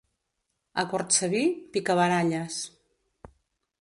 A Cortsaví, picabaralles.